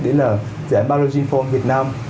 đấy là dự án biology inform việt nam